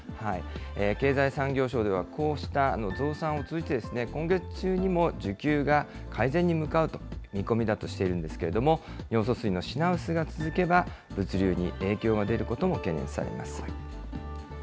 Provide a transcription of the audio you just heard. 経済産業省では、こうした増産を通じて、今月中にも需給が改善に向かう見込みだとしているんですけれども、尿素水の品薄が続けば、物流に影響が出ることも懸念されます。